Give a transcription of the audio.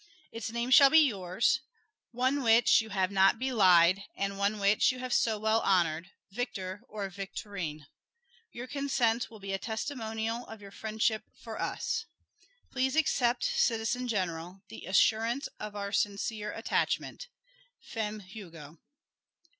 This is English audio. Its name shall be yours one which you have not belied and one which you have so well honored: Victor or Victorine. Your consent will be a testimonial of your friendship for us. "Please accept, Citizen General, the assurance of our sincere attachment. "Femme Hugo."